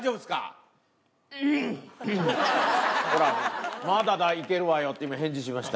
ほら、まだいけるわよって今、返事しました。